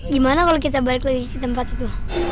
gimana kalau kita balik lagi di tempat itu